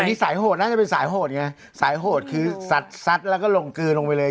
อันนี้สายโหดน่าจะเป็นสายโหดไงสายโหดคือสัดซัดแล้วก็หลงกือลงไปเลย